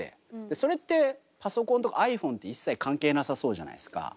それってパソコンとかｉＰｈｏｎｅって一切関係なさそうじゃないですか。